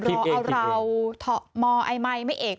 รอเอาเราเผาอายไม้ไม่เอก